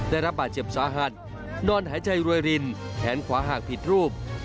ได้รับบาดเจ็บสาหัสนอนหายใจรวยรินแขนขวาหักผิดรูป